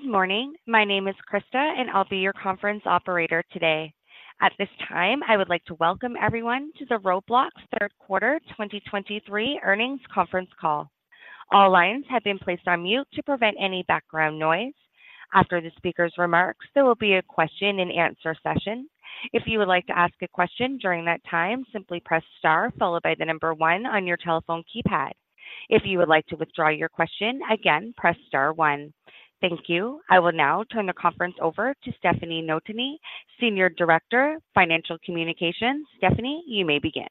Good morning. My name is Krista, and I'll be your conference operator today. At this time, I would like to welcome everyone to the Roblox Q3 2023 Earnings Conference Call. All lines have been placed on mute to prevent any background noise. After the speaker's remarks, there will be a question and answer session. If you would like to ask a question during that time, simply press Star, followed by the number 1 on your telephone keypad. If you would like to withdraw your question, again, press Star one. Thank you. I will now turn the conference over to Stefanie Notaney, Senior Director, Financial Communications. Stefanie, you may begin.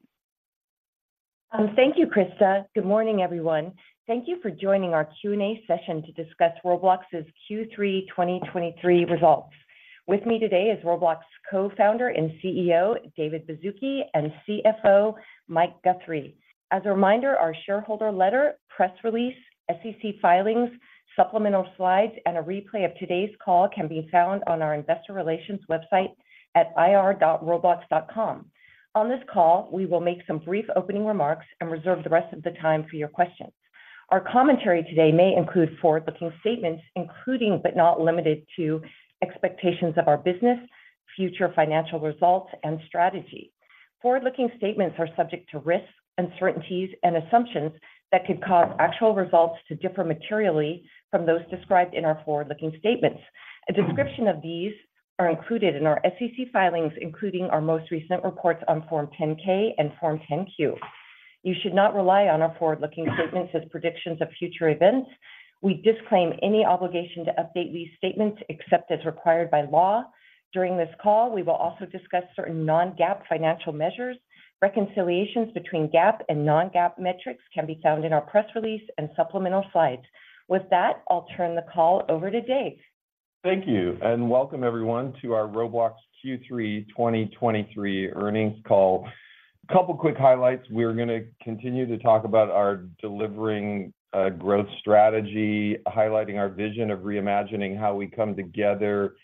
Thank you, Krista. Good morning, everyone. Thank you for joining our Q&A session to discuss Roblox's Q3 2023 results. With me today is Roblox's Co-founder and CEO, David Baszucki, and CFO, Mike Guthrie. As a reminder, our shareholder letter, press release, SEC filings, supplemental slides, and a replay of today's call can be found on our investor relations website at ir.roblox.com. On this call, we will make some brief opening remarks and reserve the rest of the time for your questions. Our commentary today may include forward-looking statements, including, but not limited to, expectations of our business, future financial results, and strategy. Forward-looking statements are subject to risks, uncertainties, and assumptions that could cause actual results to differ materially from those described in our forward-looking statements. A description of these are included in our SEC filings, including our most recent reports on Form 10-K and Form 10-Q. You should not rely on our forward-looking statements as predictions of future events. We disclaim any obligation to update these statements except as required by law. During this call, we will also discuss certain non-GAAP financial measures. Reconciliations between GAAP and non-GAAP metrics can be found in our press release and supplemental slides. With that, I'll turn the call over to Dave. Thank you, and welcome everyone to our Roblox Q3 2023 earnings call. A couple of quick highlights: We're going to continue to talk about our delivering growth strategy, highlighting our vision of reimagining how we come together,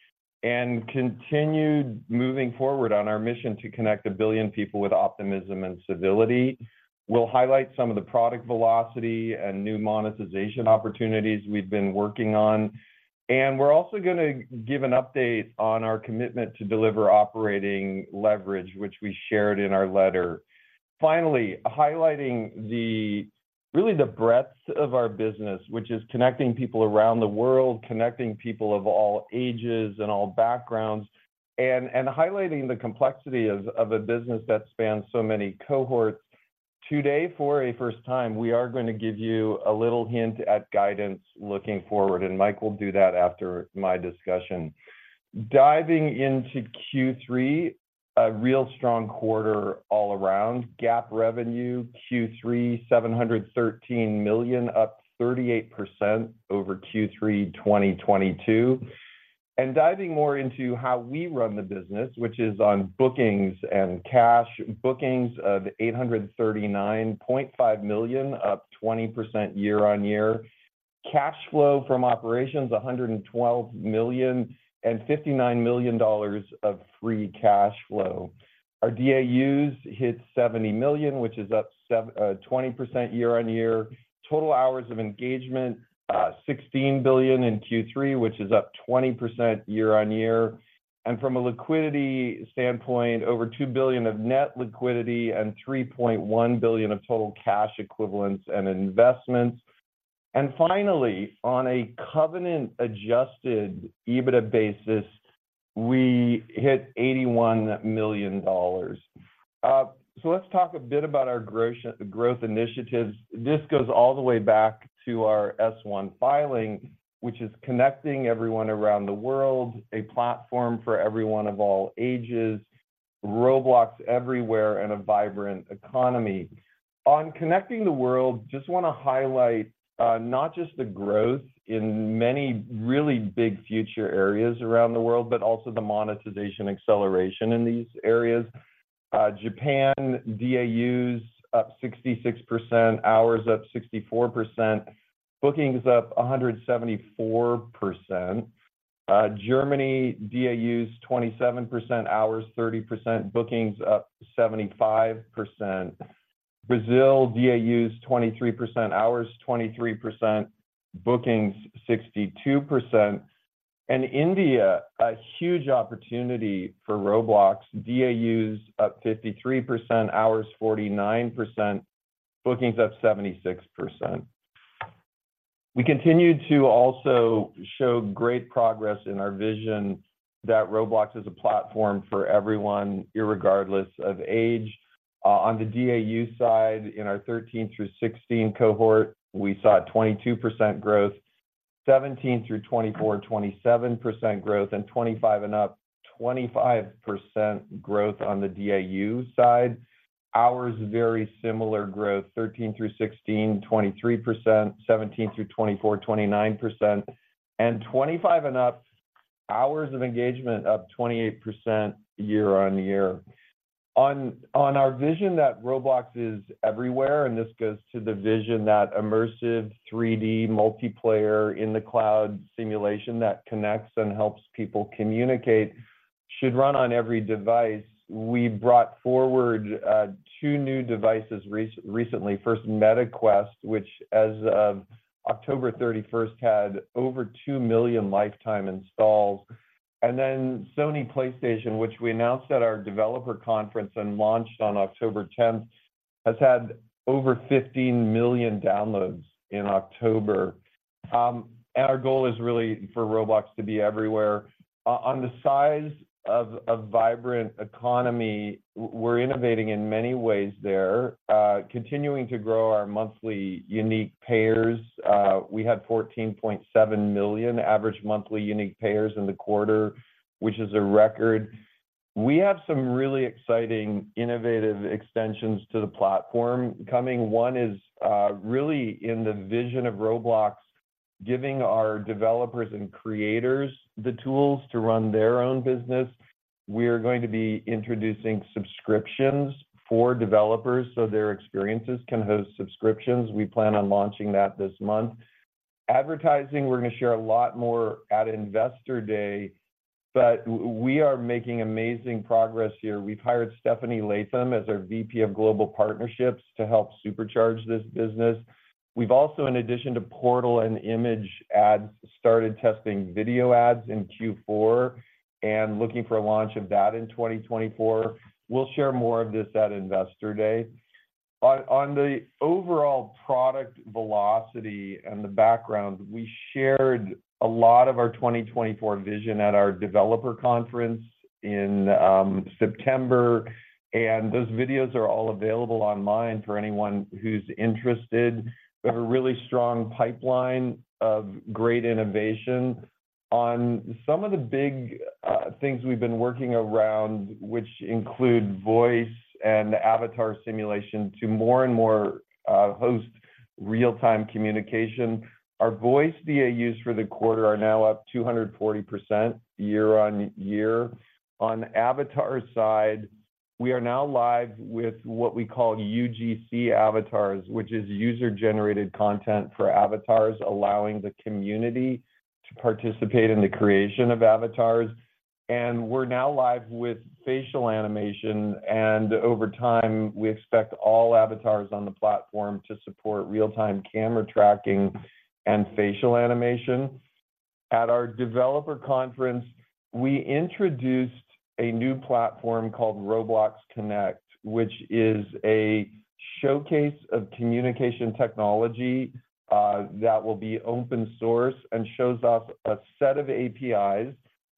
and continued moving forward on our mission to connect a billion people with optimism and civility. We'll highlight some of the product velocity and new monetization opportunities we've been working on. We're also going to give an update on our commitment to deliver operating leverage, which we shared in our letter. Finally, highlighting really the breadth of our business, which is connecting people around the world, connecting people of all ages and all backgrounds, and highlighting the complexity of a business that spans so many cohorts. Today, for a first time, we are going to give you a little hint at guidance looking forward, and Mike will do that after my discussion. Diving into Q3, a real strong quarter all around. GAAP revenue, Q3, $713 million, up 38% over Q3 2022. Diving more into how we run the business, which is on bookings and cash. Bookings of $839.5 million, up 20% year on year. Cash flow from operations, $112 million, and $59 million of free cash flow. Our DAUs hit 70 million, which is up 20% year on year. Total hours of engagement, 16 billion in Q3, which is up 20% year on year. And from a liquidity standpoint, over $2 billion of net liquidity and $3.1 billion of total cash equivalents and investments. And finally, on a covenant-Adjusted EBITDA basis, we hit $81 million. So let's talk a bit about our growth, growth initiatives. This goes all the way back to our S-1 filing, which is connecting everyone around the world, a platform for everyone of all ages, Roblox everywhere, and a vibrant economy. On connecting the world, just want to highlight, not just the growth in many really big future areas around the world, but also the monetization acceleration in these areas. Japan, DAUs up 66%, hours up 64%, bookings up 174%. Germany, DAUs, 27%, hours, 30%, bookings up 75%. Brazil, DAUs, 23%, hours, 23%, bookings, 62%. India, a huge opportunity for Roblox. DAUs up 53%, hours 49%, bookings up 76%. We continued to also show great progress in our vision that Roblox is a platform for everyone, irregardless of age. On the DAU side, in our 13 through 16 cohort, we saw a 22% growth, 17 through 24, 27% growth, and 25 and up, 25% growth on the DAU side. Hours, very similar growth, 13 through 16, 23%, 17 through 24, 29%, and 25 and up, hours of engagement up 28% year-on-year. On our vision that Roblox is everywhere, and this goes to the vision that immersive 3D multiplayer in the cloud simulation that connects and helps people communicate should run on every device. We brought forward two new devices recently. First, Meta Quest, which as of October 31, had over 2 million lifetime installs. Then Sony PlayStation, which we announced at our developer conference and launched on October 10, has had over 15 million downloads in October. And our goal is really for Roblox to be everywhere. On the size of a vibrant economy, we're innovating in many ways there, continuing to grow our monthly unique payers. We had 14.7 million average monthly unique payers in the quarter, which is a record. We have some really exciting innovative extensions to the platform coming. One is, really in the vision of Roblox, giving our developers and creators the tools to run their own business. We are going to be introducing subscriptions for developers, so their experiences can host subscriptions. We plan on launching that this month. Advertising, we're going to share a lot more at Investor Day, but we are making amazing progress here. We've hired Stephanie Latham as our VP of Global Partnerships to help supercharge this business. We've also, in addition to portal and image ads, started testing video ads in Q4, and looking for a launch of that in 2024. We'll share more of this at Investor Day. But on the overall product velocity and the background, we shared a lot of our 2024 vision at our developer conference in September, and those videos are all available online for anyone who's interested. We have a really strong pipeline of great innovation. On some of the big things we've been working around, which include voice and avatar simulation to more and more host real-time communication. Our voice DAUs for the quarter are now up 240% year-on-year. On avatar side, we are now live with what we call UGC avatars, which is user-generated content for avatars, allowing the community to participate in the creation of avatars. We're now live with facial animation, and over time, we expect all avatars on the platform to support real-time camera tracking and facial animation. At our developer conference, we introduced a new platform called Roblox Connect, which is a showcase of communication technology that will be open source and shows off a set of APIs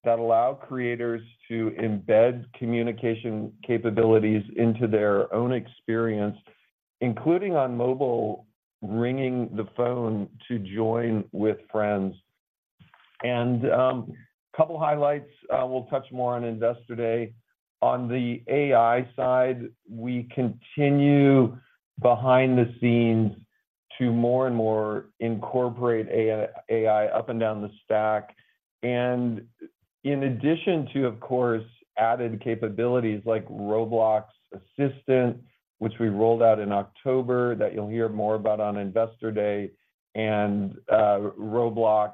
that allow creators to embed communication capabilities into their own experience, including on mobile, ringing the phone to join with friends. A couple highlights, we'll touch more on Investor Day. On the AI side, we continue behind the scenes to more and more incorporate AI, AI up and down the stack. And in addition to, of course, added capabilities like Roblox Assistant, which we rolled out in October, that you'll hear more about on Investor Day, and Roblox,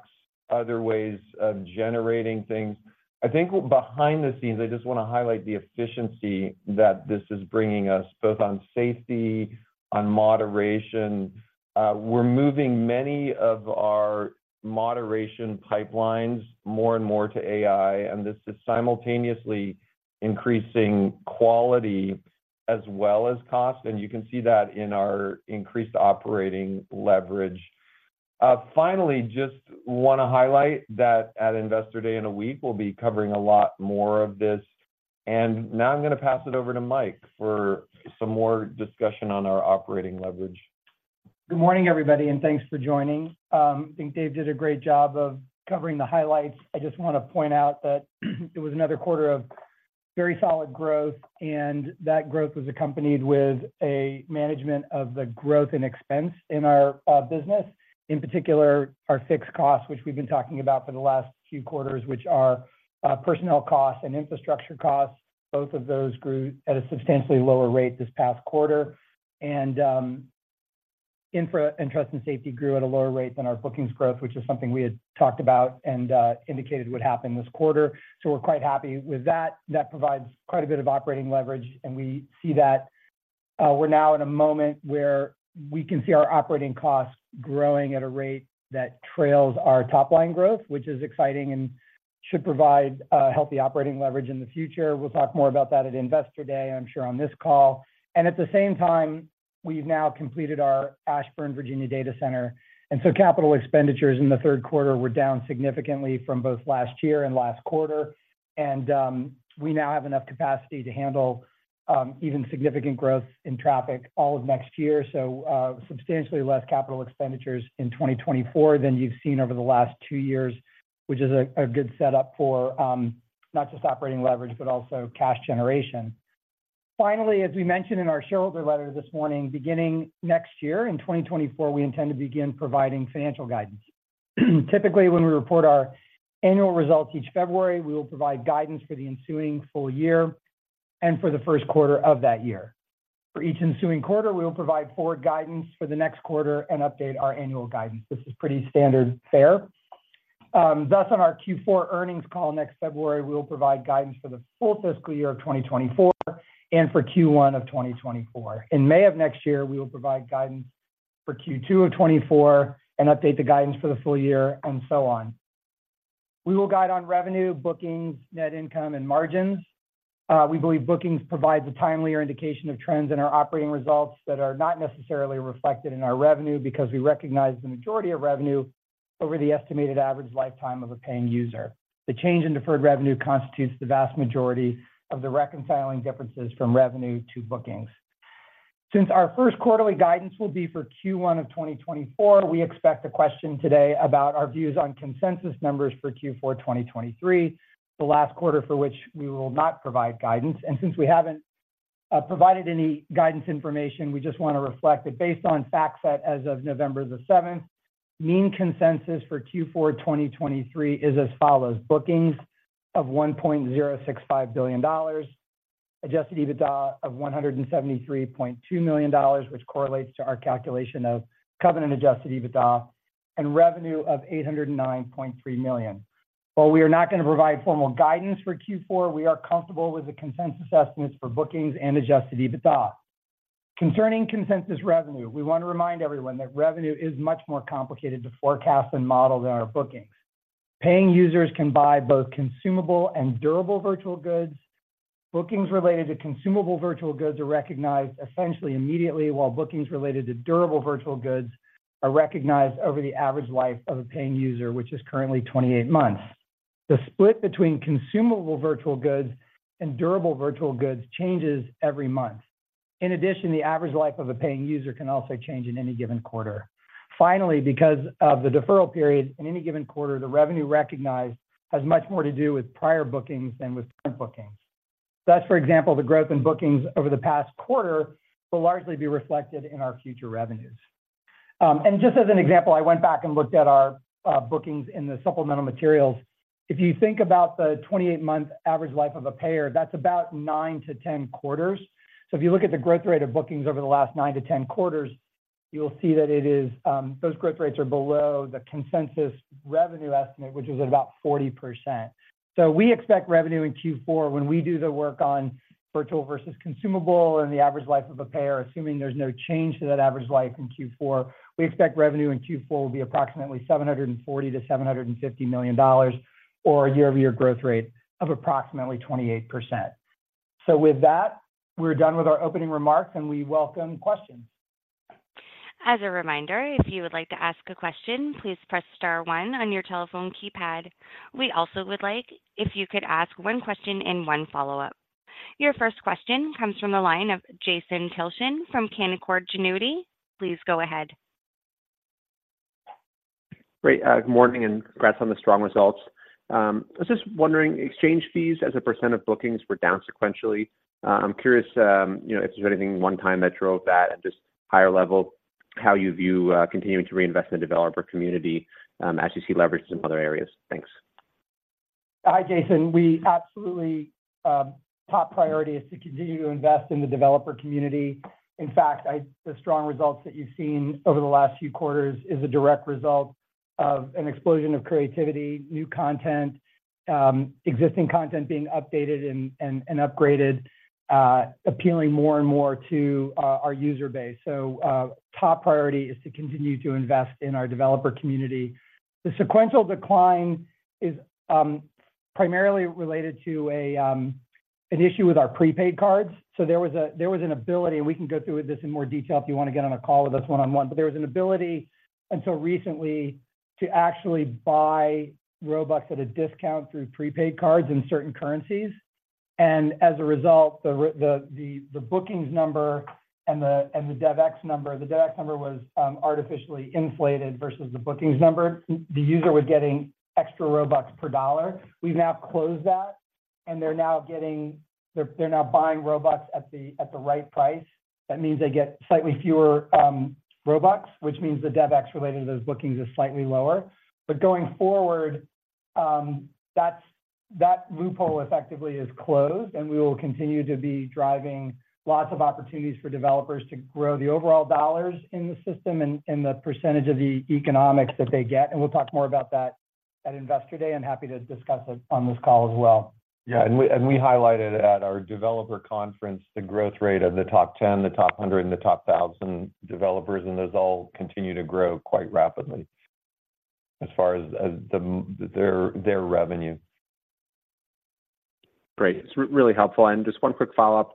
other ways of generating things. I think behind the scenes, I just want to highlight the efficiency that this is bringing us, both on safety, on moderation. We're moving many of our moderation pipelines more and more to AI, and this is simultaneously increasing quality as well as cost, and you can see that in our increased operating leverage. Finally, just want to highlight that at Investor Day in a week, we'll be covering a lot more of this. And now I'm going to pass it over to Mike for some more discussion on our operating leverage. Good morning, everybody, and thanks for joining. I think Dave did a great job of covering the highlights. I just want to point out that it was another quarter of very solid growth, and that growth was accompanied with a management of the growth and expense in our business. In particular, our fixed costs, which we've been talking about for the last few quarters, which are personnel costs and infrastructure costs. Both of those grew at a substantially lower rate this past quarter, and infra and trust and safety grew at a lower rate than our bookings growth, which is something we had talked about and indicated would happen this quarter. So we're quite happy with that. That provides quite a bit of operating leverage, and we see that, we're now in a moment where we can see our operating costs growing at a rate that trails our top line growth, which is exciting and should provide, healthy operating leverage in the future. We'll talk more about that at Investor Day, I'm sure, on this call. And at the same time, we've now completed our Ashburn, Virginia, data center, and so capital expenditures in the Q3 were down significantly from both last year and last quarter. And, we now have enough capacity to handle, even significant growth in traffic all of next year. So, substantially less capital expenditures in 2024 than you've seen over the last two years, which is a good setup for, not just operating leverage, but also cash generation. Finally, as we mentioned in our shareholder letter this morning, beginning next year, in 2024, we intend to begin providing financial guidance. Typically, when we report our annual results each February, we will provide guidance for the ensuing full year and for the Q1 of that year. For each ensuing quarter, we will provide forward guidance for the next quarter and update our annual guidance. This is pretty standard fare. Thus, on our Q4 earnings call next February, we will provide guidance for the full fiscal year of 2024 and for Q1 of 2024. In May of next year, we will provide guidance for Q2 of 2024 and update the guidance for the full year, and so on. We will guide on revenue, bookings, net income, and margins. We believe bookings provides a timelier indication of trends in our operating results that are not necessarily reflected in our revenue, because we recognize the majority of revenue over the estimated average lifetime of a paying user. The change in deferred revenue constitutes the vast majority of the reconciling differences from revenue to bookings. Since our Q1ly guidance will be for Q1 of 2024, we expect a question today about our views on consensus numbers for Q4 2023, the last quarter for which we will not provide guidance. Since we haven't provided any guidance information, we just want to reflect that based on facts that as of November 7, mean consensus for Q4 2023 is as follows: bookings of $1.065 billion, Adjusted EBITDA of $173.2 million, which correlates to our calculation of covenant-Adjusted EBITDA, and revenue of $809.3 million. While we are not going to provide formal guidance for Q4, we are comfortable with the consensus estimates for bookings and Adjusted EBITDA. Concerning consensus revenue, we want to remind everyone that revenue is much more complicated to forecast and model than our bookings. Paying users can buy both consumable and durable virtual goods. Bookings related to consumable virtual goods are recognized essentially immediately, while bookings related to durable virtual goods are recognized over the average life of a paying user, which is currently 28 months. The split between consumable virtual goods and durable virtual goods changes every month. In addition, the average life of a paying user can also change in any given quarter. Finally, because of the deferral period, in any given quarter, the revenue recognized has much more to do with prior bookings than with current bookings. Thus, for example, the growth in bookings over the past quarter will largely be reflected in our future revenues. Just as an example, I went back and looked at our bookings in the supplemental materials. If you think about the 28-month average life of a payer, that's about 9-10 quarters. So if you look at the growth rate of bookings over the last 9-10 quarters, you'll see that it is, those growth rates are below the consensus revenue estimate, which is about 40%. So we expect revenue in Q4 when we do the work on virtual versus consumable and the average life of a payer, assuming there's no change to that average life in Q4, we expect revenue in Q4 will be approximately $740 million-$750 million or a year-over-year growth rate of approximately 28%. So with that, we're done with our opening remarks, and we welcome questions. As a reminder, if you would like to ask a question, please press star one on your telephone keypad. We also would like if you could ask one question and one follow-up. Your first question comes from the line of Jason Tilchen from Canaccord Genuity. Please go ahead. Great. Good morning, and congrats on the strong results. I was just wondering, exchange fees as a % of bookings were down sequentially. I'm curious, you know, if there's anything one time that drove that and just higher level, how you view continuing to reinvest in developer community, as you see leverages in other areas. Thanks. Hi, Jason. We absolutely top priority is to continue to invest in the developer community. In fact, the strong results that you've seen over the last few quarters is a direct result of an explosion of creativity, new content, existing content being updated and upgraded, appealing more and more to our user base. So top priority is to continue to invest in our developer community. The sequential decline is primarily related to an issue with our prepaid cards. So there was an ability, and we can go through this in more detail if you want to get on a call with us one-on-one. But there was an ability, until recently, to actually buy Robux at a discount through prepaid cards in certain currencies. And as a result, the bookings number and the DevEx number... The DevEx number was artificially inflated versus the bookings number. The user was getting extra Robux per dollar. We've now closed that, and they're now buying Robux at the right price. That means they get slightly fewer Robux, which means the DevEx related to those bookings is slightly lower. But going forward, that's that loophole effectively is closed, and we will continue to be driving lots of opportunities for developers to grow the overall dollars in the system and the percentage of the economics that they get. And we'll talk more about that at Investor Day. I'm happy to discuss it on this call as well. Yeah, and we highlighted at our developer conference the growth rate of the top 10, the top 100, and the top 1,000 developers, and those all continue to grow quite rapidly as far as their revenue. Great. It's really helpful. Just one quick follow-up.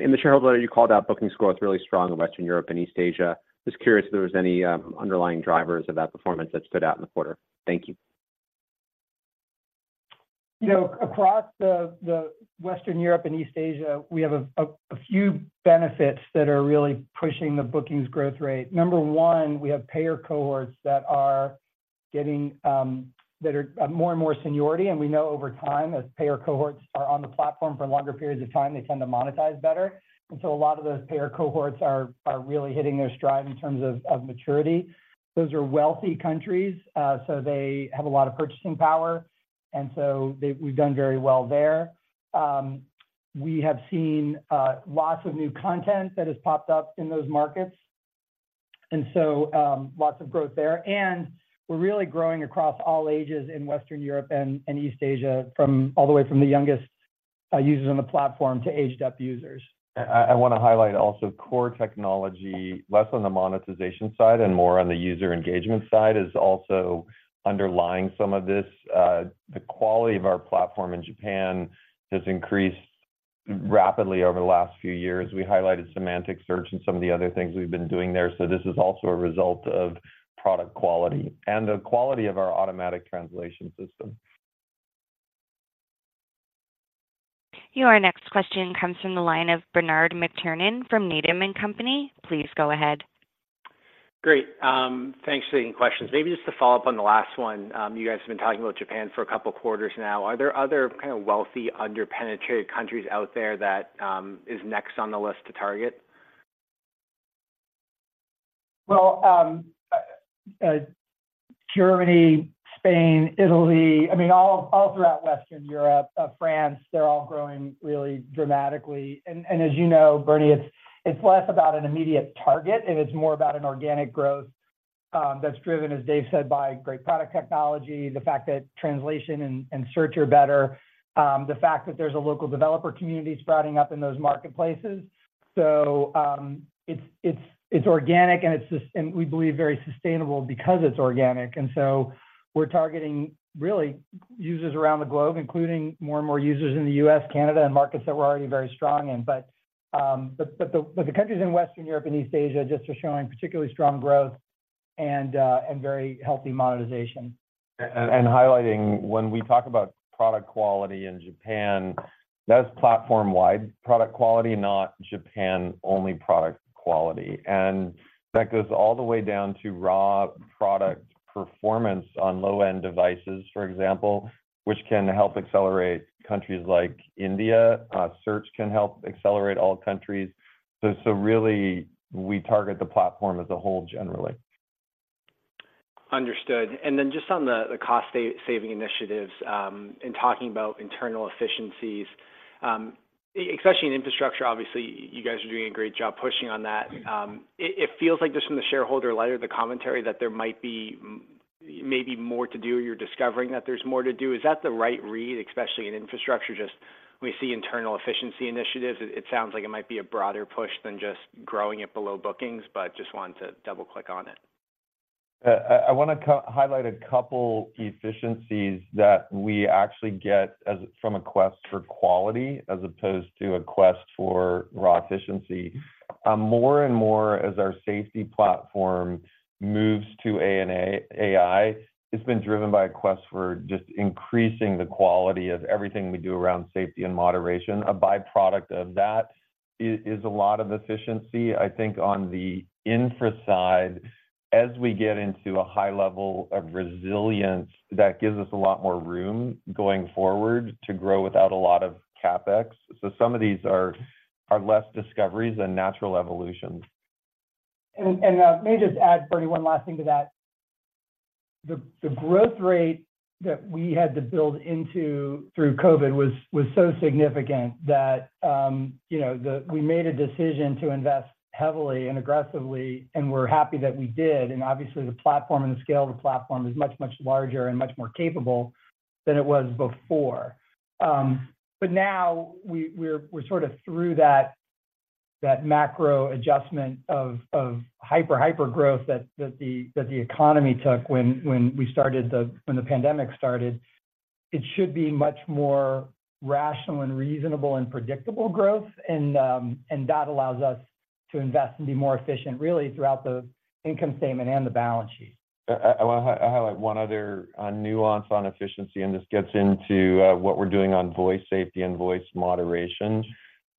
In the shareholder letter, you called out bookings growth really strong in Western Europe and East Asia. Just curious if there was any underlying drivers of that performance that stood out in the quarter. Thank you. You know, across the Western Europe and East Asia, we have a few benefits that are really pushing the bookings growth rate. Number one, we have payer cohorts that are getting more and more seniority, and we know over time, as payer cohorts are on the platform for longer periods of time, they tend to monetize better. And so a lot of those payer cohorts are really hitting their stride in terms of maturity. Those are wealthy countries, so they have a lot of purchasing power, and so they, we've done very well there. We have seen lots of new content that has popped up in those markets. And so, lots of growth there. We're really growing across all ages in Western Europe and East Asia, from all the way from the youngest users on the platform to aged-up users. I wanna highlight also core technology, less on the monetization side and more on the user engagement side, is also underlying some of this. The quality of our platform in Japan has increased rapidly over the last few years. We highlighted semantic search and some of the other things we've been doing there, so this is also a result of product quality and the quality of our automatic translation system. Your next question comes from the line of Bernard McTernan from Needham and Company. Please go ahead. Great. Thanks for taking questions. Maybe just to follow up on the last one, you guys have been talking about Japan for a couple quarters now. Are there other kind of wealthy, under-penetrated countries out there that, is next on the list to target? Well, Germany, Spain, Italy, I mean, all throughout Western Europe, France, they're all growing really dramatically. And as you know, Bernie, it's less about an immediate target, and it's more about an organic growth that's driven, as Dave said, by great product technology, the fact that translation and search are better, the fact that there's a local developer community sprouting up in those marketplaces. So, it's organic and we believe very sustainable because it's organic. And so we're targeting really users around the globe, including more and more users in the US, Canada, and markets that we're already very strong in. But the countries in Western Europe and East Asia just are showing particularly strong growth and very healthy monetization. And highlighting, when we talk about product quality in Japan, that's platform-wide product quality, not Japan-only product quality. And that goes all the way down to raw product performance on low-end devices, for example, which can help accelerate countries like India. Search can help accelerate all countries. So really, we target the platform as a whole generally. Understood. And then just on the cost saving initiatives, in talking about internal efficiencies, especially in infrastructure, obviously, you guys are doing a great job pushing on that. It feels like just from the shareholder letter, the commentary, that there might be maybe more to do, or you're discovering that there's more to do. Is that the right read, especially in infrastructure? Just we see internal efficiency initiatives. It sounds like it might be a broader push than just growing it below bookings, but just wanted to double-click on it. I want to highlight a couple efficiencies that we actually get from a quest for quality as opposed to a quest for raw efficiency. More and more, as our safety platform moves to AI, it's been driven by a quest for just increasing the quality of everything we do around safety and moderation. A by-product of that is a lot of efficiency. I think on the infra side, as we get into a high level of resilience, that gives us a lot more room going forward to grow without a lot of CapEx. So some of these are less discoveries than natural evolutions. May I just add, Bernie, one last thing to that? The growth rate that we had to build into through COVID was so significant that, you know, we made a decision to invest heavily and aggressively, and we're happy that we did. And obviously, the platform and the scale of the platform is much, much larger and much more capable than it was before. But now we're sort of through that macro adjustment of hyper growth that the economy took when the pandemic started. It should be much more rational and reasonable and predictable growth, and that allows us to invest and be more efficient, really, throughout the income statement and the balance sheet. I want to highlight one other nuance on efficiency, and this gets into what we're doing on voice safety and voice moderation.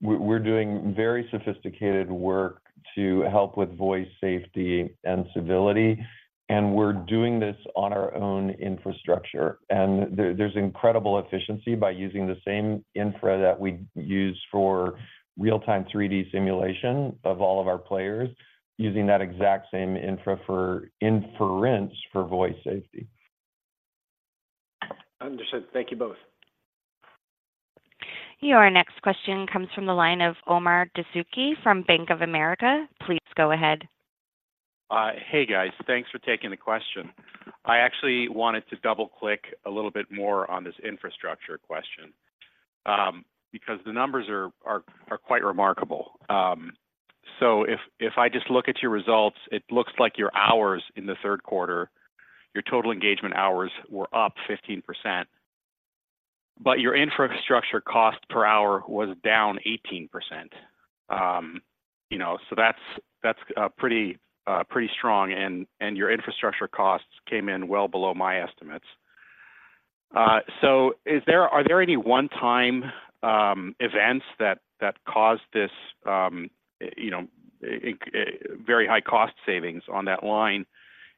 We're doing very sophisticated work to help with voice safety and civility, and we're doing this on our own infrastructure. And there's incredible efficiency by using the same infra that we use for real-time 3D simulation of all of our players, using that exact same infra for inference for voice safety. Understood. Thank you both. Your next question comes from the line of Omar Dessouky from Bank of America. Please go ahead. Hey, guys. Thanks for taking the question. I actually wanted to double-click a little bit more on this infrastructure question, because the numbers are quite remarkable. So if I just look at your results, it looks like your hours in the Q3, your total engagement hours were up 15%, but your infrastructure cost per hour was down 18%. You know, so that's pretty strong, and your infrastructure costs came in well below my estimates. So is there any one-time events that caused this, you know, very high cost savings on that line?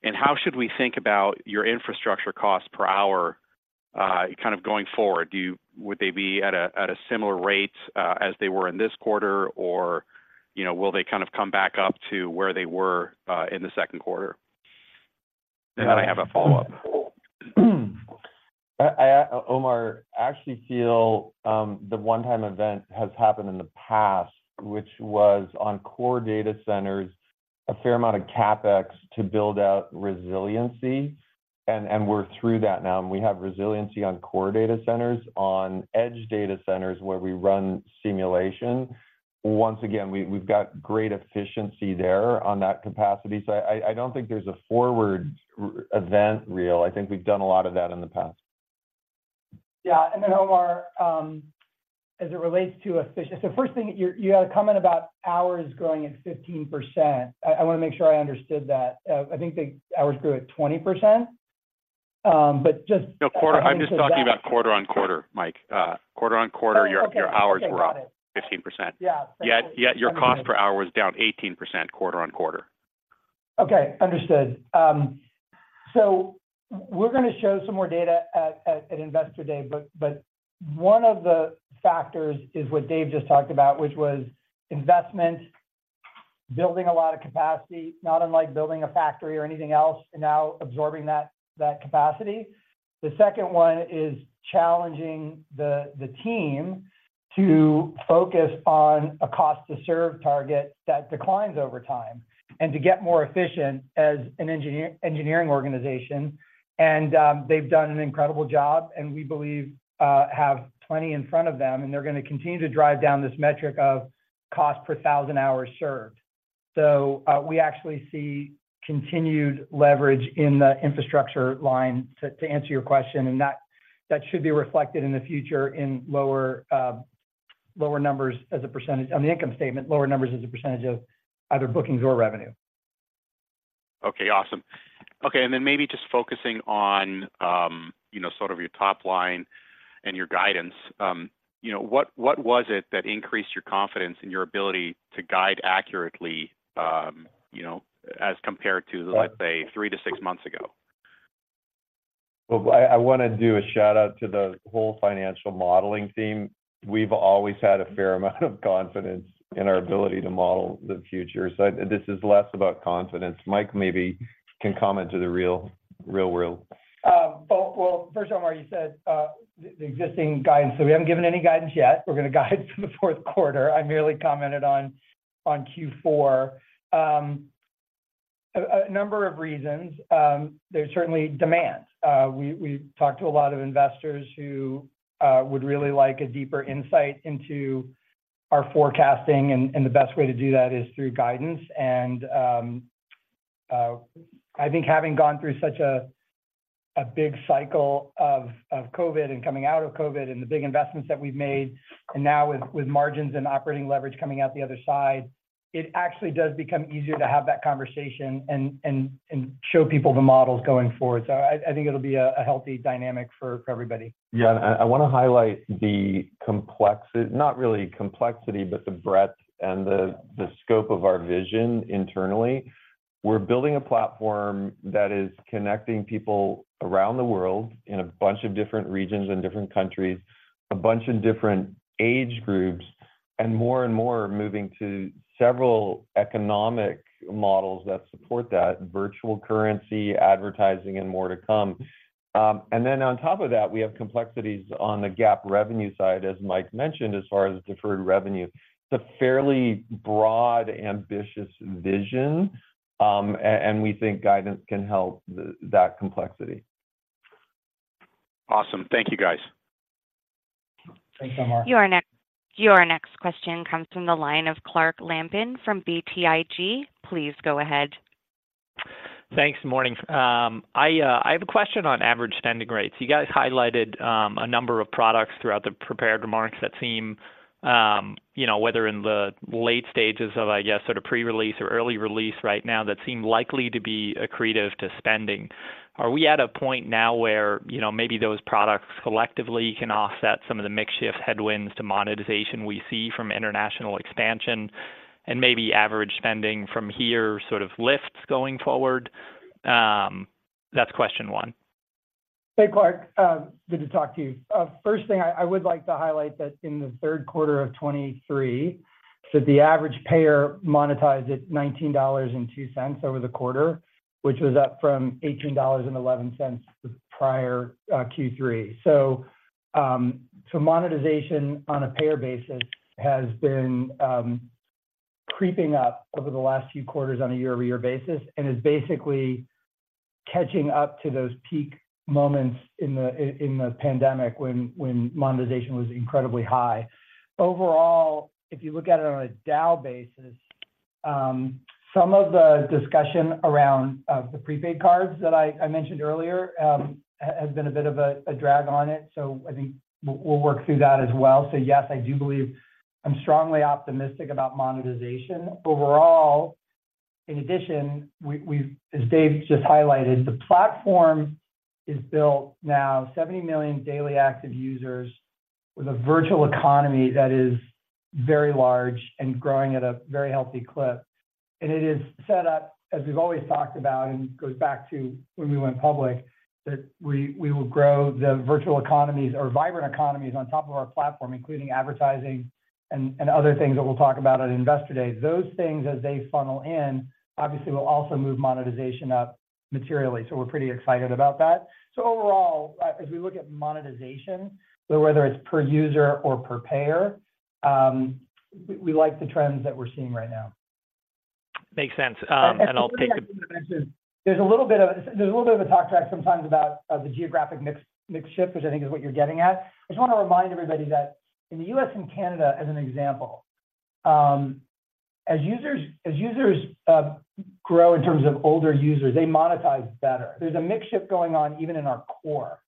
And how should we think about your infrastructure cost per hour, kind of going forward? Would they be at a similar rate as they were in this quarter? Or, you know, will they kind of come back up to where they were in the Q2? And then I have a follow-up. I, Omar, I actually feel the one-time event has happened in the past, which was on core data centers, a fair amount of CapEx to build out resiliency. And we're through that now, and we have resiliency on core data centers. On edge data centers, where we run simulation, once again, we've got great efficiency there on that capacity. So I don't think there's a forward recurring event. I think we've done a lot of that in the past. Yeah. Then, Omar, as it relates to—so first thing, you, you had a comment about hours growing at 15%. I, I wanna make sure I understood that. I think the hours grew at 20%. But just- No, quarter. I'm just talking about quarter-over-quarter, Mike. Quarter-over-quarter- Oh, okay... your hours were up 15%. Yeah. Yet, your cost per hour was down 18%, quarter-on-quarter. Okay, understood. So we're gonna show some more data at Investor Day, but one of the factors is what Dave just talked about, which was investment, building a lot of capacity, not unlike building a factory or anything else, and now absorbing that capacity. The second one is challenging the team to focus on a cost to serve target that declines over time, and to get more efficient as an engineering organization. And they've done an incredible job, and we believe have plenty in front of them, and they're gonna continue to drive down this metric of cost per thousand hours served. So, we actually see continued leverage in the infrastructure line, to answer your question, and that should be reflected in the future in lower, lower numbers as a percentage on the income statement, lower numbers as a percentage of either bookings or revenue. Okay, awesome. Okay, and then maybe just focusing on, you know, sort of your top line and your guidance. You know, what, what was it that increased your confidence and your ability to guide accurately, you know, as compared to, let's say, three to six months ago? Well, I wanna do a shout-out to the whole financial modeling team. We've always had a fair amount of confidence in our ability to model the future. So this is less about confidence. Mike maybe can comment to the real, real world. Well, well, first of all, Omar, you said the existing guidance. So we haven't given any guidance yet. We're gonna guide for the Q4. I merely commented on Q4. A number of reasons, there's certainly demand. We talked to a lot of investors who would really like a deeper insight into our forecasting, and the best way to do that is through guidance. And I think having gone through such a big cycle of COVID and coming out of COVID, and the big investments that we've made, and now with margins and operating leverage coming out the other side, it actually does become easier to have that conversation and show people the models going forward. So I think it'll be a healthy dynamic for everybody. Yeah, and I wanna highlight the complexity, not really complexity, but the breadth and the scope of our vision internally. We're building a platform that is connecting people around the world in a bunch of different regions and different countries, a bunch of different age groups, and more and more are moving to several economic models that support that virtual currency, advertising, and more to come. And then on top of that, we have complexities on the GAAP revenue side, as Mike mentioned, as far as deferred revenue. It's a fairly broad, ambitious vision, and we think guidance can help that complexity. Awesome. Thank you, guys. Thanks, Omar. Your next question comes from the line of Clark Lampen from BTIG. Please go ahead. Thanks, morning. I have a question on average spending rates. You guys highlighted a number of products throughout the prepared remarks that seem, you know, whether in the late stages of, I guess, sort of pre-release or early release right now, that seem likely to be accretive to spending. Are we at a point now where, you know, maybe those products collectively can offset some of the mix shift headwinds to monetization we see from international expansion, and maybe average spending from here sort of lifts going forward? That's question one. Hey, Clark, good to talk to you. First thing, I would like to highlight that in the Q3 of 2023, so the average payer monetized at $19.02 over the quarter, which was up from $18.11 the prior Q3. So, so monetization on a payer basis has been creeping up over the last few quarters on a year-over-year basis, and is basically catching up to those peak moments in the pandemic, when monetization was incredibly high. Overall, if you look at it on a DAU basis, some of the discussion around the prepaid cards that I mentioned earlier has been a bit of a drag on it, so I think we'll work through that as well. So, yes, I do believe I'm strongly optimistic about monetization. Overall, in addition, we've—as Dave just highlighted, the platform is built now, 70 million daily active users with a virtual economy that is very large and growing at a very healthy clip... and it is set up, as we've always talked about, and goes back to when we went public, that we will grow the virtual economies or vibrant economies on top of our platform, including advertising and other things that we'll talk about at Investor Day. Those things, as they funnel in, obviously, will also move monetization up materially. So we're pretty excited about that. So overall, as we look at monetization, whether it's per user or per payer, we like the trends that we're seeing right now. Makes sense, and I'll take- There's a little bit of a talk track sometimes about the geographic mix shift, which I think is what you're getting at. I just wanna remind everybody that in the U.S. and Canada, as an example, as users grow in terms of older users, they monetize better. There's a mix shift going on even in our core.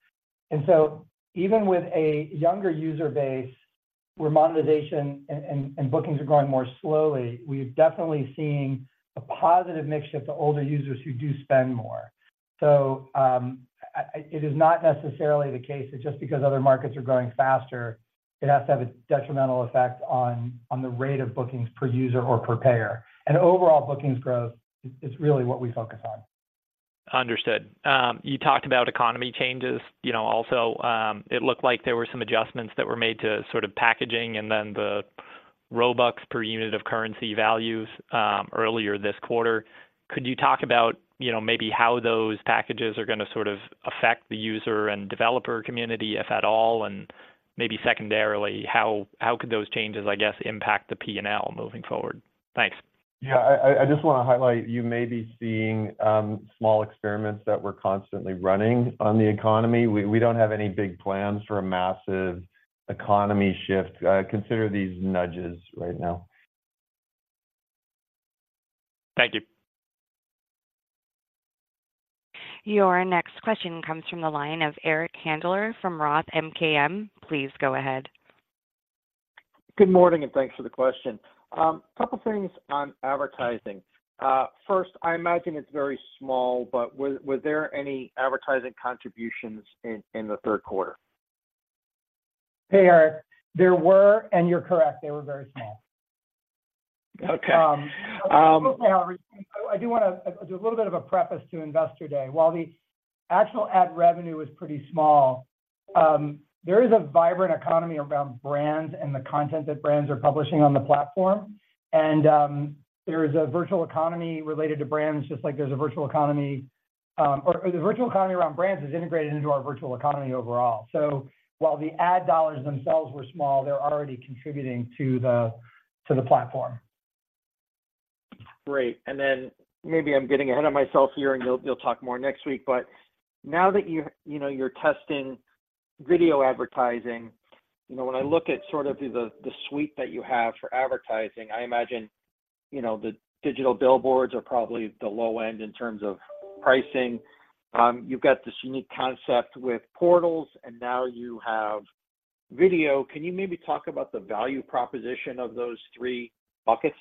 And so even with a younger user base, where monetization and bookings are growing more slowly, we've definitely seen a positive mix shift to older users who do spend more. So it is not necessarily the case that just because other markets are growing faster, it has to have a detrimental effect on the rate of bookings per user or per payer. And overall, bookings growth is really what we focus on. Understood. You talked about economy changes. You know, also, it looked like there were some adjustments that were made to sort of packaging and then the Robux per unit of currency values, earlier this quarter. Could you talk about, you know, maybe how those packages are gonna sort of affect the user and developer community, if at all, and maybe secondarily, how, how could those changes, I guess, impact the P&L moving forward? Thanks. Yeah, I just wanna highlight, you may be seeing small experiments that we're constantly running on the economy. We don't have any big plans for a massive economy shift. Consider these nudges right now. Thank you. Your next question comes from the line of Eric Handler from Roth MKM. Please go ahead. Good morning, and thanks for the question. A couple of things on advertising. First, I imagine it's very small, but were there any advertising contributions in the Q3? Hey, Eric. There were, and you're correct, they were very small. Okay. Um- I do wanna. A little bit of a preface to Investor Day. While the actual ad revenue is pretty small, there is a vibrant economy around brands and the content that brands are publishing on the platform. And, there is a virtual economy related to brands, just like there's a virtual economy. Or the virtual economy around brands is integrated into our virtual economy overall. So while the ad dollars themselves were small, they're already contributing to the platform. Great. And then maybe I'm getting ahead of myself here, and you'll, you'll talk more next week, but now that you're, you know, you're testing video advertising, you know, when I look at sort of the, the suite that you have for advertising, I imagine, you know, the digital billboards are probably the low end in terms of pricing. You've got this unique concept with portals, and now you have video. Can you maybe talk about the value proposition of those three buckets?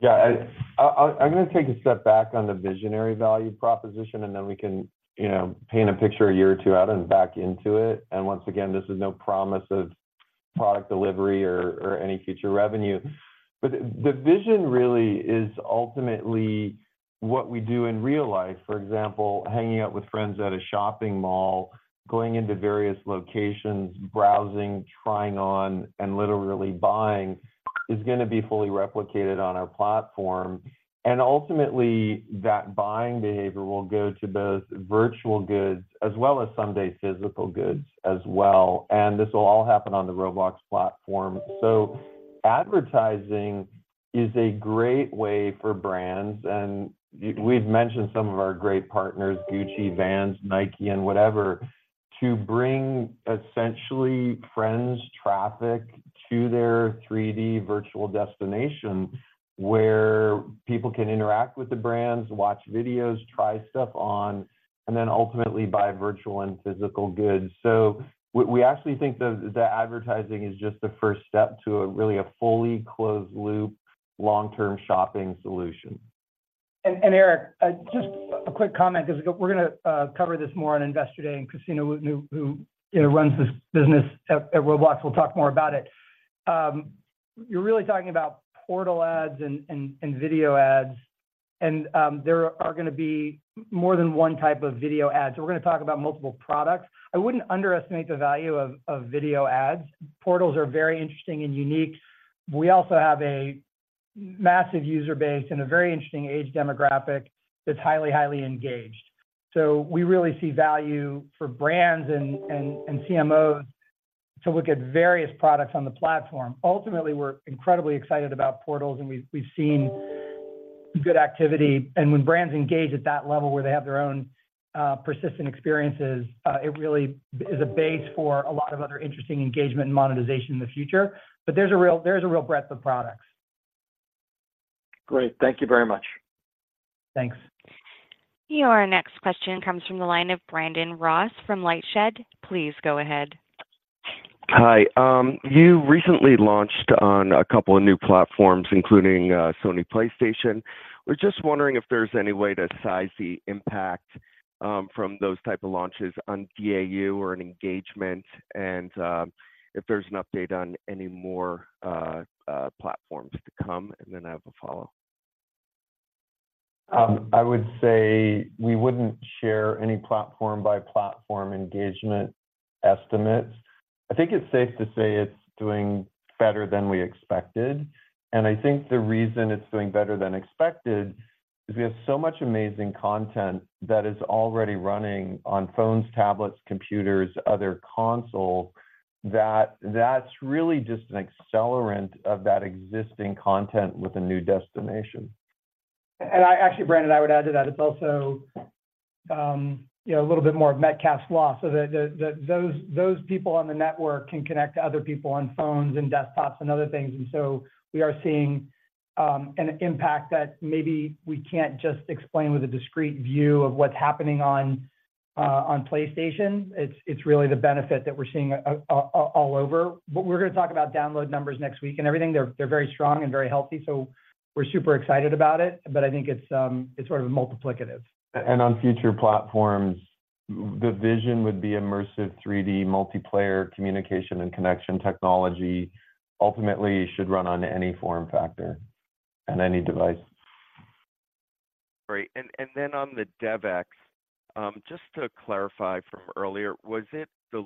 Yeah. I'm gonna take a step back on the visionary value proposition, and then we can, you know, paint a picture a year or two out and back into it. And once again, this is no promise of product delivery or any future revenue. But the vision really is ultimately what we do in real life. For example, hanging out with friends at a shopping mall, going into various locations, browsing, trying on, and literally buying, is gonna be fully replicated on our platform. And ultimately, that buying behavior will go to both virtual goods as well as someday physical goods as well, and this will all happen on the Roblox platform. So advertising is a great way for brands, and we've mentioned some of our great partners, Gucci, Vans, Nike, and whatever, to bring essentially friends traffic to their 3D virtual destination, where people can interact with the brands, watch videos, try stuff on, and then ultimately buy virtual and physical goods. So we, we actually think that, that advertising is just the first step to a really a fully closed loop, long-term shopping solution. And Eric, just a quick comment, because we're gonna cover this more on Investor Day, and Christina, who you know runs this business at Roblox, will talk more about it. You're really talking about portal ads and video ads, and there are gonna be more than one type of video ads. We're gonna talk about multiple products. I wouldn't underestimate the value of video ads. Portals are very interesting and unique. We also have a massive user base and a very interesting age demographic that's highly engaged. So we really see value for brands and CMOs to look at various products on the platform. Ultimately, we're incredibly excited about portals, and we've seen good activity. When brands engage at that level, where they have their own, persistent experiences, it really is a base for a lot of other interesting engagement and monetization in the future. There's a real, there's a real breadth of products. Great. Thank you very much. Thanks. Your next question comes from the line of Brandon Ross from LightShed. Please go ahead. Hi. You recently launched on a couple of new platforms, including Sony PlayStation. We're just wondering if there's any way to size the impact-... from those type of launches on DAU or in engagement, and if there's an update on any more platforms to come, and then I have a follow. I would say we wouldn't share any platform by platform engagement estimates. I think it's safe to say it's doing better than we expected, and I think the reason it's doing better than expected is we have so much amazing content that is already running on phones, tablets, computers, other consoles, that that's really just an accelerant of that existing content with a new destination. I actually, Brandon, I would add to that. It's also, you know, a little bit more of Metcalfe's law, so that those people on the network can connect to other people on phones and desktops and other things. And so we are seeing an impact that maybe we can't just explain with a discrete view of what's happening on PlayStation. It's really the benefit that we're seeing all over. But we're going to talk about download numbers next week and everything. They're very strong and very healthy, so we're super excited about it, but I think it's sort of multiplicative. On future platforms, the vision would be immersive 3D multiplayer communication and connection technology ultimately should run on any form factor and any device. Great. And then on the DevEx, just to clarify from earlier, was it the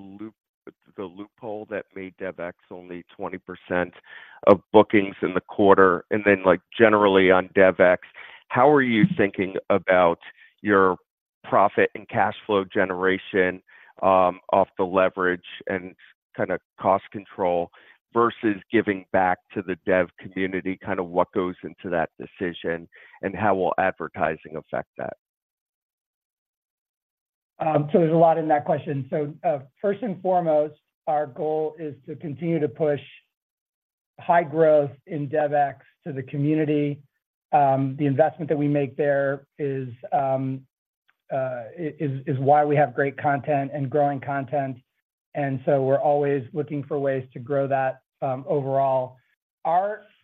loophole that made DevEx only 20% of bookings in the quarter? And then, like, generally on DevEx, how are you thinking about your profit and cash flow generation, off the leverage and kind of cost control versus giving back to the dev community? Kind of what goes into that decision, and how will advertising affect that? So there's a lot in that question. So, first and foremost, our goal is to continue to push high growth in DevEx to the community. The investment that we make there is why we have great content and growing content, and so we're always looking for ways to grow that, overall.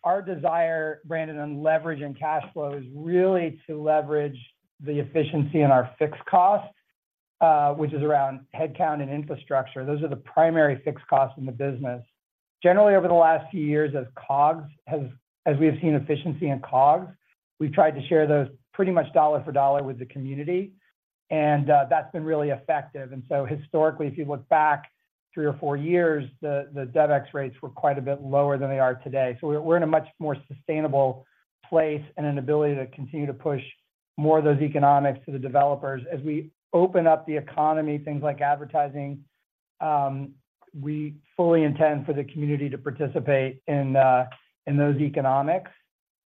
Our desire, Brandon, on leverage and cash flow is really to leverage the efficiency in our fixed costs, which is around headcount and infrastructure. Those are the primary fixed costs in the business. Generally, over the last few years, as we have seen efficiency in COGS, we've tried to share those pretty much dollar for dollar with the community, and that's been really effective. Historically, if you look back three or four years, the DevEx rates were quite a bit lower than they are today. So we're in a much more sustainable place and an ability to continue to push more of those economics to the developers. As we open up the economy, things like advertising, we fully intend for the community to participate in those economics.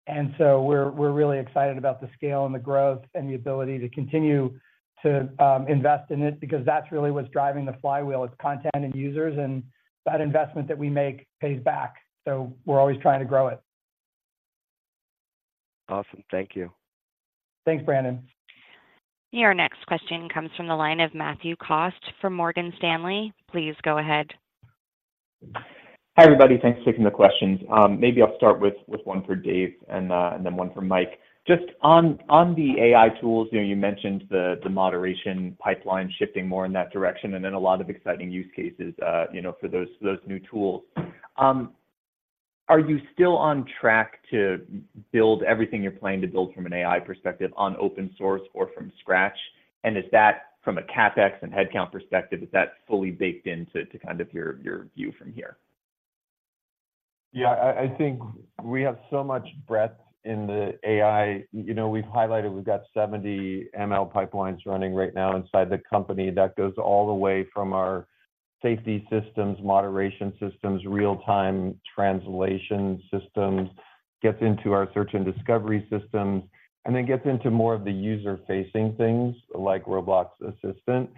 And so we're really excited about the scale and the growth and the ability to continue to invest in it, because that's really what's driving the flywheel, is content and users, and that investment that we make pays back. So we're always trying to grow it. Awesome. Thank you. Thanks, Brandon. Your next question comes from the line of Matthew Cost from Morgan Stanley. Please go ahead. Hi, everybody. Thanks for taking the questions. Maybe I'll start with one for Dave and then one for Mike. Just on the AI tools, you know, you mentioned the moderation pipeline shifting more in that direction and then a lot of exciting use cases, you know, for those new tools. Are you still on track to build everything you're planning to build from an AI perspective on open source or from scratch? And is that from a CapEx and headcount perspective fully baked into your view from here? Yeah, I think we have so much breadth in the AI. You know, we've highlighted, we've got 70 ML pipelines running right now inside the company. That goes all the way from our safety systems, moderation systems, real-time translation systems, gets into our search and discovery systems, and then gets into more of the user-facing things, like Roblox Assistant.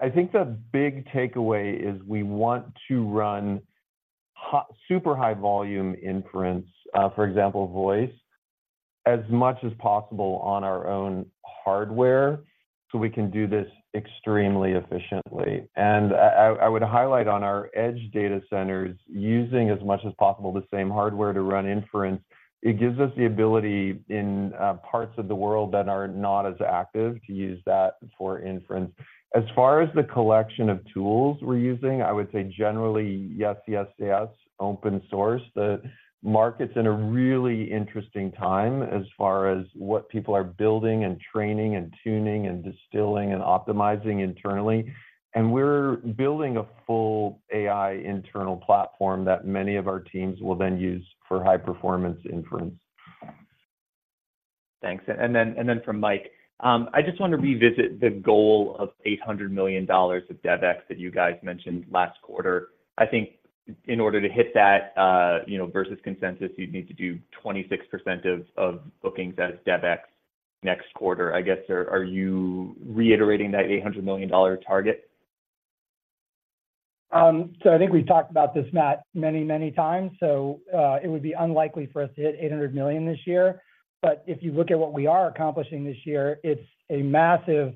I think the big takeaway is we want to run hot—super high volume inference, for example, voice, as much as possible on our own hardware, so we can do this extremely efficiently. And I would highlight on our edge data centers, using as much as possible the same hardware to run inference, it gives us the ability in parts of the world that are not as active, to use that for inference. As far as the collection of tools we're using, I would say generally, yes, yes, yes, open source. The market's in a really interesting time as far as what people are building and training and tuning and distilling and optimizing internally, and we're building a full AI internal platform that many of our teams will then use for high-performance inference. Thanks. And then from Mike, I just want to revisit the goal of $800 million of DevEx that you guys mentioned last quarter. I think in order to hit that, you know, versus consensus, you'd need to do 26% of bookings as DevEx next quarter. I guess, are you reiterating that $800 million dollar target? So, I think we've talked about this, Matt, many, many times, so it would be unlikely for us to hit $800 million this year. But if you look at what we are accomplishing this year, it's a massive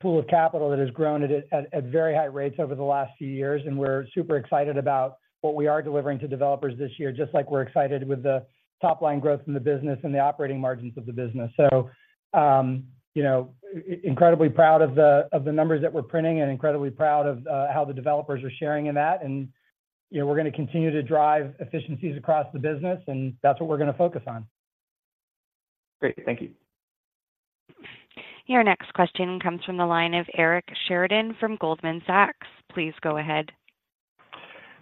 pool of capital that has grown at very high rates over the last few years, and we're super excited about what we are delivering to developers this year, just like we're excited with the top-line growth in the business and the operating margins of the business. You know, incredibly proud of the numbers that we're printing and incredibly proud of how the developers are sharing in that. And, you know, we're gonna continue to drive efficiencies across the business, and that's what we're gonna focus on. Great. Thank you. Your next question comes from the line of Eric Sheridan from Goldman Sachs. Please go ahead.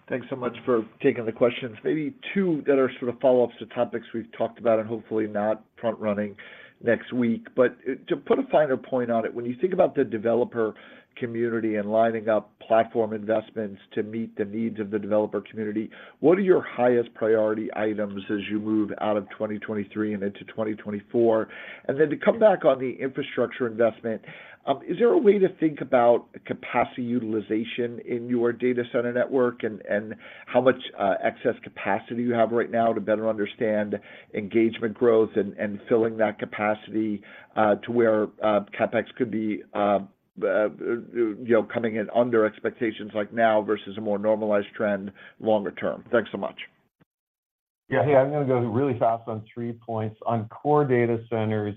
Thanks so much for taking the questions. Maybe two that are sort of follow-ups to topics we've talked about, and hopefully not front running next week. But, to put a finer point on it, when you think about the developer community and lining up platform investments to meet the needs of the developer community, what are your highest priority items as you move out of 2023 and into 2024? And then to come back on the infrastructure investment, is there a way to think about capacity utilization in your data center network and, and how much, excess capacity you have right now to better understand engagement growth and, and filling that capacity, to where, CapEx could be, you know, coming in under expectations like now versus a more normalized trend longer term? Thanks so much. Yeah. Hey, I'm gonna go really fast on three points. On core data centers,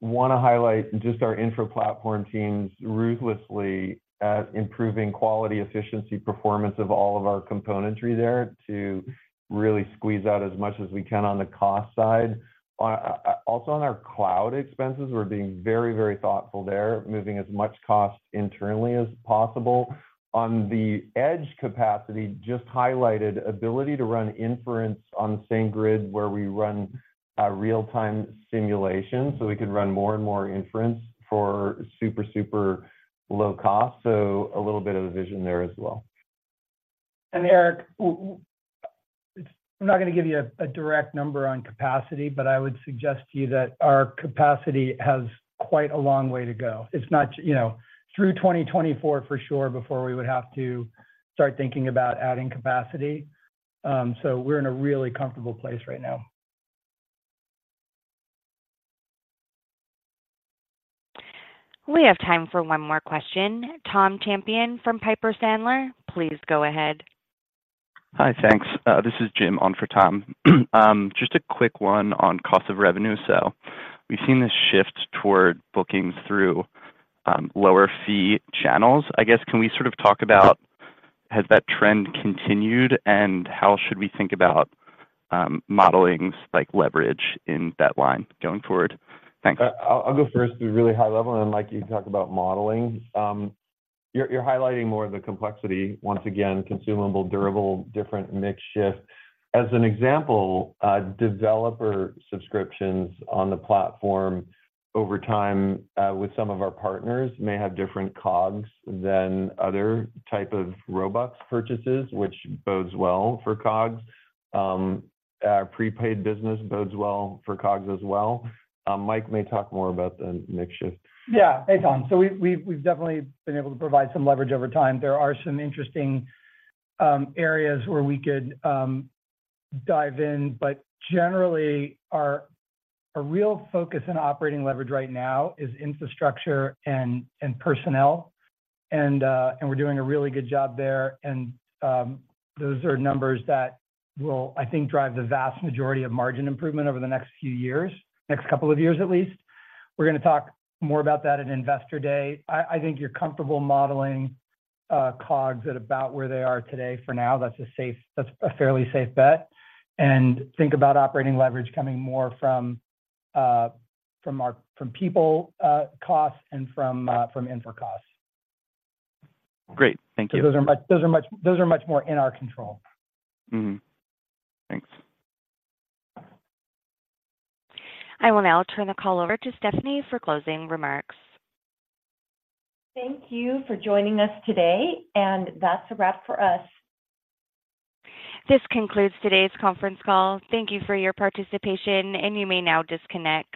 wanna highlight just our infra platform teams ruthlessly at improving quality, efficiency, performance of all of our componentry there to really squeeze out as much as we can on the cost side. Also, on our cloud expenses, we're being very, very thoughtful there, moving as much cost internally as possible. On the edge capacity, just highlighted ability to run inference on the same grid where we run real-time simulation, so we can run more and more inference for super, super low cost. So a little bit of a vision there as well. And Eric, I'm not gonna give you a direct number on capacity, but I would suggest to you that our capacity has quite a long way to go. It's not, you know, through 2024, for sure, before we would have to start thinking about adding capacity. So we're in a really comfortable place right now. We have time for one more question. Tom Champion from Piper Sandler, please go ahead. Hi, thanks. This is Jim on for Tom. Just a quick one on cost of revenue. So we've seen this shift toward bookings through lower fee channels. I guess, can we sort of talk about has that trend continued, and how should we think about modeling, like, leverage in that line going forward? Thanks. I'll go first to really high level, and, Mike, you can talk about modeling. You're highlighting more of the complexity. Once again, consumable, durable, different mix shift. As an example, developer subscriptions on the platform over time, with some of our partners may have different COGS than other type of Robux purchases, which bodes well for COGS. Our prepaid business bodes well for COGS as well. Mike may talk more about the mix shift. Yeah. Hey, Tom. So we've definitely been able to provide some leverage over time. There are some interesting areas where we could dive in, but generally, our real focus on operating leverage right now is infrastructure and personnel, and we're doing a really good job there. And those are numbers that will, I think, drive the vast majority of margin improvement over the next few years, next couple of years, at least. We're gonna talk more about that at Investor Day. I think you're comfortable modeling COGS at about where they are today. For now, that's a safe bet. That's a fairly safe bet. And think about operating leverage coming more from our people costs and from infra costs. Great. Thank you. Those are much more in our control. Mm-hmm. Thanks. I will now turn the call over to Stefanie for closing remarks. Thank you for joining us today, and that's a wrap for us. This concludes today's conference call. Thank you for your participation, and you may now disconnect.